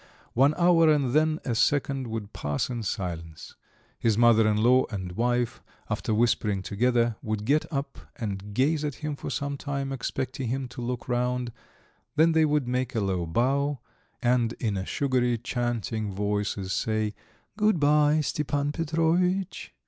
One hour and then a second would pass in silence. His mother in law and wife, after whispering together, would get up and gaze at him for some time, expecting him to look round; then they would make a low bow, and in sugary, chanting voices, say: "Good bye, Stepan Petrovitch!"